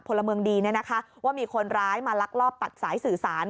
พลเมืองดีว่ามีคนร้ายมาลักลอบตัดสายสื่อสาร